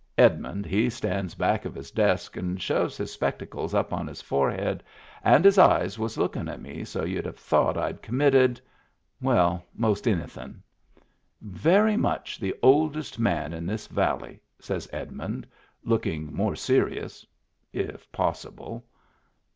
Edmund he stands back Digitized by Google WHERE IT WAS 253 of his desk and shoves his spectacles up on his forehead, and his eyes was lookin* at me so y*u'd have thought I'd committed — well, most any thin'. "Very much the oldest man in this valley," says Edmund, lookin' more serious — if possible.